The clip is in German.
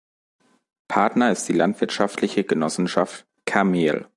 Partner ist die Landwirtschaftliche Genossenschaft "Carmel".